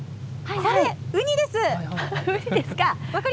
ウニですか。